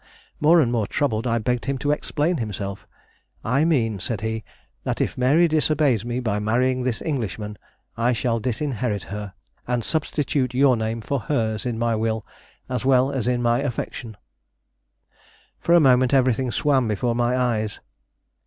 More and more troubled, I begged him to explain himself. 'I mean,' said he, 'that if Mary disobeys me by marrying this Englishman, I shall disinherit her, and substitute your name for hers in my will as well as in my affection.' "For a moment everything swam before my eyes.